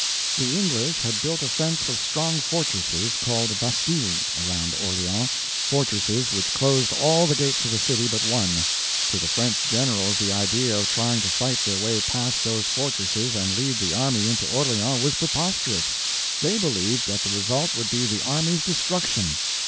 The English had built a fence of strong fortresses called bastilles around Orleans—fortresses which closed all the gates of the city but one. To the French generals the idea of trying to fight their way past those fortresses and lead the army into Orleans was preposterous; they believed that the result would be the army's destruction.